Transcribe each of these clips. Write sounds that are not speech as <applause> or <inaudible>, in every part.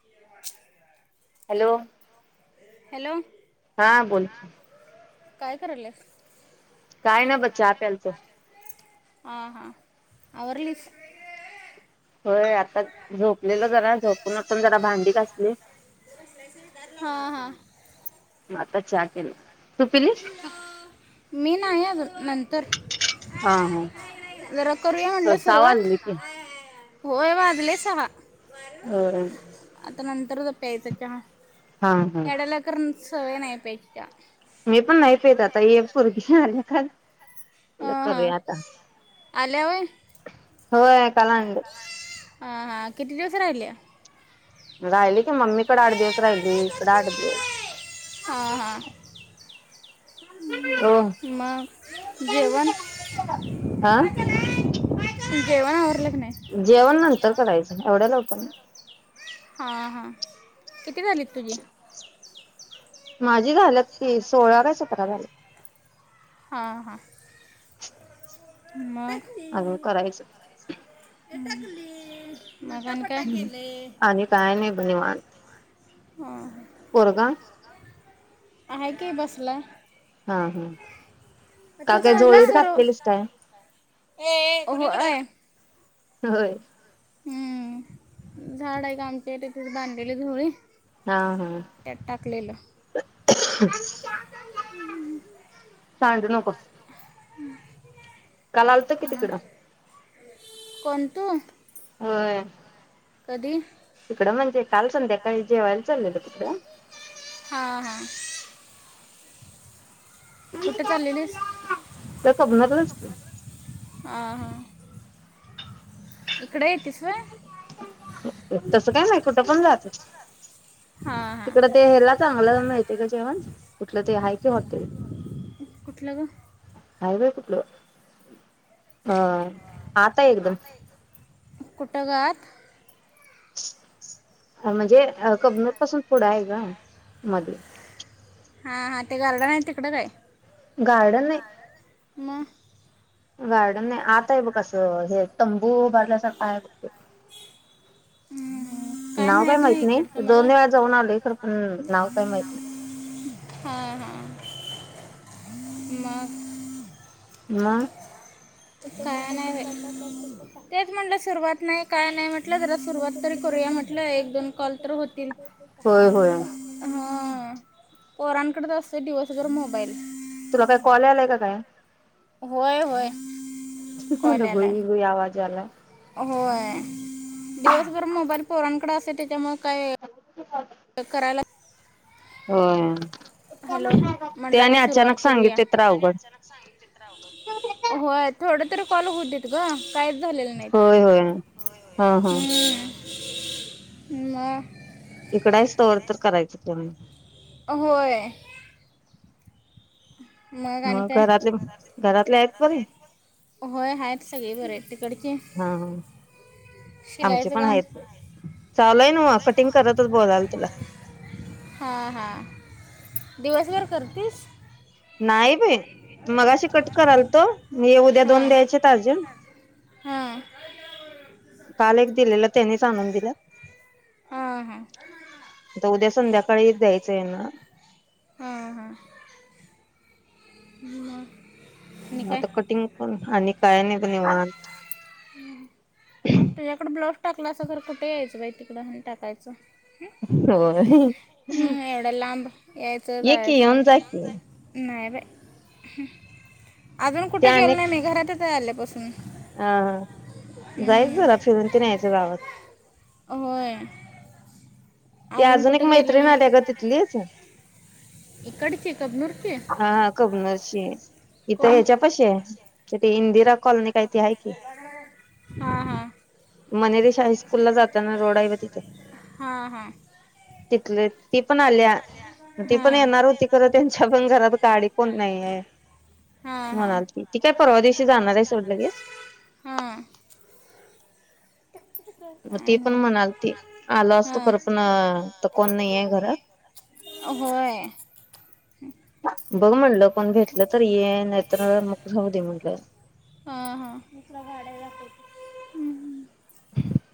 <unintelligible> Hello hello. हा बोलकी काय कराल्यास? काय ना ब चहा प्यालतो हा हा. आवरलीस? होय आता झोपलेलो जरा झोपून ओटुन जरा भांडी घासली. हा हा. म आता चा केला. तू पिली मी नाही अजुन नंतर हा हा. जरा करूया म्हटलं सहा सुरुवात, वाजले की होय वाजले सहा. होय आता नंतर प्यायचा चहा हा हा एवढ्या लवकर सवय नाही प्यायची चहा. मी पण नाही पेत आता, एक पुरगी आल्या काल म्हणलं हां हां करूया आता. आल्या व्हय? होय काल आणलं. ह हा कितीे दिवसा राहिल्या? राहिली की मम्मीकडे आठ दिवस राहिली इकडं आठ दिवस. हां हां हो मग जेवन. हा जेवणं आवरलं? की नाही जेवण नंतर करायचं एवढ्या लवकर नाही. हा हा किती झालीत तुझी? माझी झाल्यात की सोळा काय सतरा झाल्यात. हां हां मग. अजुन करायचंय. मग आणि काय? आणि काय नाही ब निवांत <unintelligible> पोरगा आहे की बसलाय. हा हा. का काय झोळीत घातलेलीस काय <inaudible> होय. हम्म झाड आहे का आमचे इथं तिथं बांधलेली झोळी. हा हा. त्यात टाकलेलं सांडु नकोस. काल आलंत कि तिकडं. कोण तू? होय. कधी? तिकडं म्हणजे काल संध्याकाळी जेवायला चाल्लेलो तिकडं. हा हा. चाललेलीस त्या कबणातरच की. हां हां इकडे येतीस होय? तसं काय नाही कुठं पण जाते. हा. तिकड ते ह्याला चांगलं मिळतंय गं जेवण, कुठलं ते हाय की हाॅटेल. कुठलं ग? हाय बाई कुठलं, अ आत हाय एकदम. कुठं ग आत? म्हणजे कबनूर पासून पुढं आहे ग मध्ये हा हा ते गार्डन आहे तिकडं काय? गार्डन नाही. मग.. गार्डन नाही आत आहे बग असं हे तंबू बांधल्यासारखा आहे बग. हम्म.. काय नाव काही माहीत माहित इकडचं नाही मला दोन वेळा जाऊन आले खरं पण नाव त माहित नाही. हां हां मग. म काय नाही तेच म्हटलं सुरुवात नाही काय नाही म्हटलं जरा सुरुवात तरी करू. या म्हटलं एक दोन कॉल तर होतील. होय होय. पोरांकडच असतय दिवसभर मोबाईल. तुला काय कॉल आलाय का काय? होय होय. कॉल आलाय गोई गई आवाज आलाय. होय दिवसभर मोबाईल पोरांकड असतोय त्याच्यामुळ काय करायला होय हॅलो ते म्हटलं आता आणि सुरुवात अचानक करूया सांगितलेे तर अवघड होय थोड तर कॉल होवू देत ग काहीच झालेलं नाहीत होय होय होय हा हा होय हम्म म इकड आहेस तोवर तर करायचं तु होय. आणि मग काय घरातले घरातले आहेत बरी होय आहेत सगळे बरे आहेत तिकडचे हा हा आमचे शिलाईचं पण काम आहेत चालू हाय नव कटिंग करतच बोलालोय तुला हा हा दिवसभर करतीस नाही बाई मगाशी कट करालतो मी उद्या हे दोन हां द्यायचे आहेत अर्जंट हां काल एक दिलेलं त्यानीच आणून दिलं. हां हां आता उद्या संध्याकाळी द्यायचं आहे ना हा हा मग आणि काय आता कटिंग आणि काय नाही बघ निवांत तुझ्याकडं ब्लाऊज टाकला अस तर कुठे यायचं बाई तिकड टाकायचं. होय. हम् एवढ्या लांब यायचं जायचं ये की येऊन जा की नाही बाई <inaudible> अजून ते कुठं गेलो नाही अनेक मी घरातच आहे आल्यापासून अ जायच हं. जरा फिरून तेन यायचं गावात होय. ती अजून एक कुठं गेलेलं मैत्रिण आलीया ग नाही तिथलीच इकडची कबनूरची हा कबनूरची इथं कोण ह्याच्या पाशी हाय इथं इंदिरा कॉलनी काय ते हाय की हां हां मनेरे शाळे स्कूलला जाताना रोड आहे बग तिथं हा. ती पण आलीया ती पण येणार होती खर त्यांच्या पण घरात गाडी कोण नाही आहे. हां हां म्हणाल त ती काय परवा दिवशी जाणार आहे सड लगेच हा मग ती पण नाही म्हणाल त आलो असतो हां खर पण त कोण नाही आहे घरात होय. बघ म्हटलं पण भेटलं तररी ये नाहीतर मगऊ दे म्हटलं. हा हा वा ह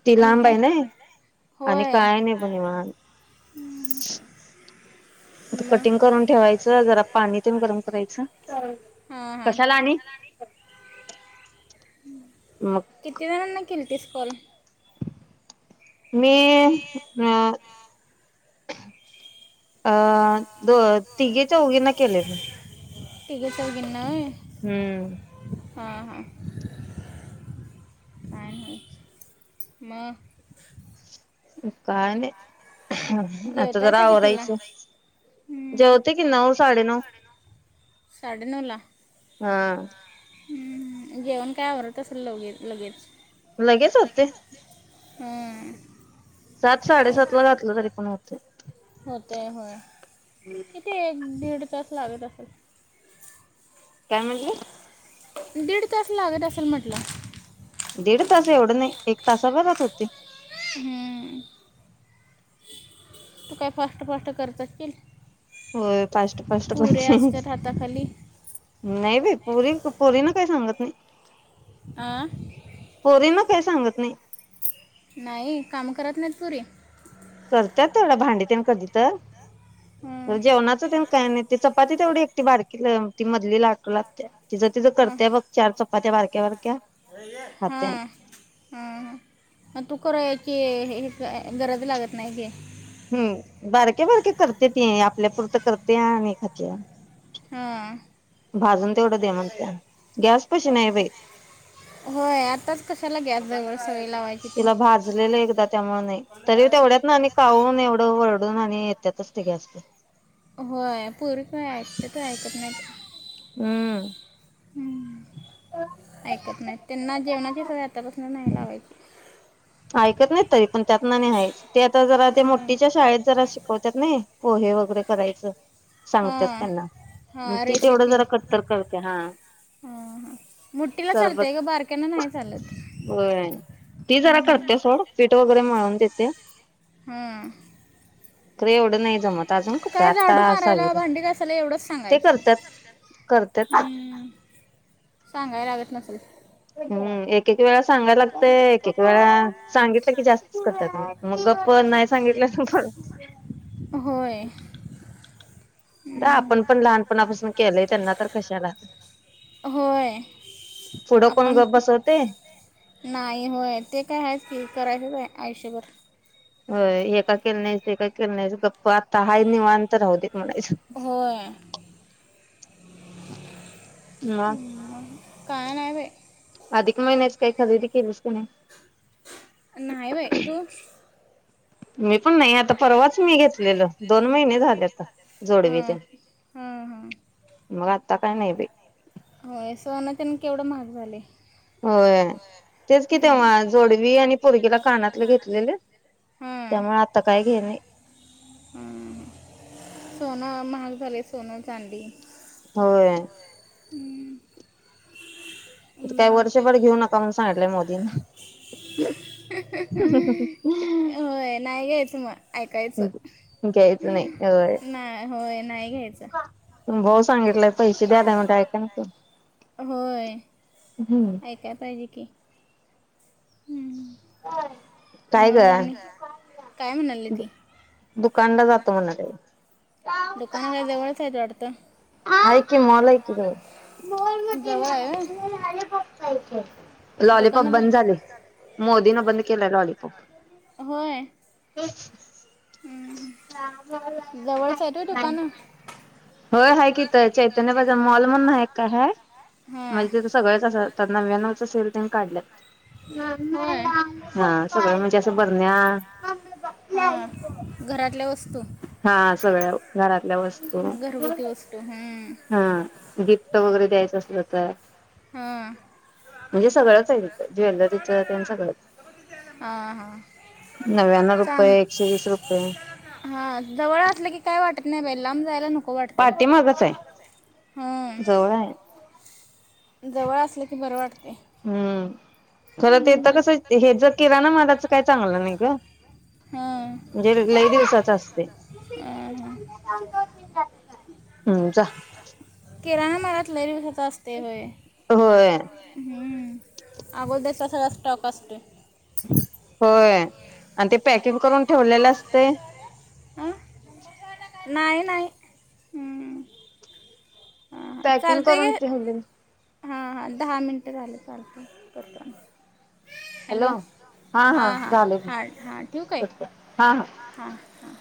ती लांब आहे ना आणि काय नाही बघ निवांत ह कटिंग करून ठेवायचं जरा पाणी ते गरम करायचं. हां हां कशाला आणि मग किती जण ना किलती स्कॉल मी अ अं द तिघेच्या उघीना केले म तिघा चावगीनं व्हय. हम्म. हा हा. आणि मग काे आत तरा जेवतायसा कितीला ओरयस. जो हं, ते किना व साडे नव साडे नला हम. हम्म घेऊन काय आडत असेल लगे लगेच लगेच होते. हम. सात साडेसात ला घातलं तरी पण होते. इथे एक दीड तास लागत असेल. काय म्हटलं. दीड तास लागत असेल म्हटलं. दडेड ताास एवढने एक तासा बघ तोते. हम्म. तू काय फास्ट फास्ट करतात कील हो फस्ट फस्ट. हाताखाली नाही बाई पुरी पुोरी ना काही सांगत नाही. आ. काय सांगत नाही. नाही काम करत नाहीत पुरी करतात तेवढं भांडी त्यांन कधी तर हं. जेवणाचं त्या काही नाहीच. पती तेवढ. ती बारकी ती मधली लाक ला तिचं तिझं हं. करतेय बघ चार चपात्या बारक्या बारक्या हा खात्या हा ह तू करायची हे गरज लागत नाही घे. हम्म बारके बारके करते ती आपल्यापुरतं करते आणि एखाात हां भाजून तेवढं दे म्हणत गॅस पशी नाही बाई होय आताच कशाला गे जवळ सवय लावायची ती तिला भाजलेलं एकदा त्यामुळे नाही तरी तेवढ्यात ना काऊून एवढं वरडून आणि येत. त्यातच ते गेसते. हो पूरऐकतत ऐकत नाही. हम्म. हम्म ऐकत नाही त्यांना जेवणाचे सगळ आतापासून नाही लावायचे. ऐकत नाही तरी पण त्यात ना नाही आहे ते आता जरा ते होय मोठीच्या शाळेत जरा शिकवतात नाही. पोहे वगैरे करायचं. सांगतात हां त्यांना मग हां ते ती तेवढं रेसिपी जरा कट्टर करते हा. हां हां मोठीला सरबत चालतंय ग बारक्यानं नाही चालत होय ते जरा हम्म. करते सोड पीठ वगैरे मळून देते. हां खरं एवढं नाही जमत अजून कत काय आता झाडू मारायला सहावीत आहै भांडी घासायला एवढंच ते सांगायचं करतात. करत्यात. सांगाय लागत नसेल. हम्म एक एक वेळा सांगायला लागत एक वेळा सांगितलं की जास्तच करतात मग ग. पण नाही सांगितलं पण होय आ आपण हम्म. पण लहानपणापासून केलंय त्यांना तर कशाला होय पुढं कोण आपण गबसवते. नाही होय ते काय आहे की करायचं काय आयुष्यभर हो एका केळ नाहीस एका केळ नाहीस गप्प आत्ता हा निवांतर राह दे. हो. ह कान आहेवेे अधिक महिन्याच काही खरेदी केलीस कि नाही नाही बाैइ तो मी पण नाही आता परवाच मी घेतलेल दोन महिने झाले आता जोडवी ते हां हां हां मग आता काय नाही भे होय सो ना त्यांना केवढं महाग झाले हो तेच कि तेव्हा जोडवी आणि परगीला कानातले घेतलेले त्यामुळे आता काय घेल हम सोनं महाग झाले सोनं चांदी होय हम्म काही वर्षभर घेऊ नका म्हण सांगितलंय मोदीने <unintelligible> होय नाही घच मग ऐकायच घ्यायचं होय नाही हो नाही घ्यायचं भाऊ सांगितलंय पैसे द्याला म्हट ऐका ना होय हम्म ऐकायला पाहिजे की हम्म. कायग मग आणि काय म्हणाली ती दुकानला जातो म्हणाले दुकान काय जवळचयत वाटतं काय केव्हा मॉल मध्ये जवळ आहे व्हय? नाय लॉलिपॉप दुकानं बंद झाले ज- मोदीने बंद केलाय लॉलपॉप होय हम्म. ह जवळच आहेत व्हय दुकानं बाय होय आहे किथ चैतन्यबाज मॉल म्हण नाही काय हय हां म्हणजे तिथं सगळंच अस नव्यानवच असेल काढ होय हा सगळ म्हणजे असं बरण्या हा घरातल्या वस्त हा सगळ्या घरातल्या वस्तू घरगुती वस्तू हां हा गिफ्ट वगैरे द्यायचं असल तर हा म्हणजे सगळंच आहे तिथं ज्वेलरीच त्यांन सगळंच हां हां नव्यान्णव सांग रुपये एकशे वीस रुपये हा जवळ असलं की काय वाटत नाही बाई लांब जायला नुकत पाठीमागच हां आहे जवळ आहे जवळ असलं की बरं वाटते हम्म खर तेेत कसं हे ज किरा ना मादााचं काय चांगलं नाही का हां हां, म्हणजे लई दिवसाच असते हां. हम्म जा किराणा मलात लइ होत असते हो होय अगोदर चा सगळा स्टॉक असतोय होय आणि ते पॅकिंग करून ठेवलेलं असते हां <inaudible> नाही नाहीय पॅकिंग करून ती दि हां हां दहा मिनटं झाले चालत करताना हॅलो हा हा ह हा ठठीवक आहे हा हा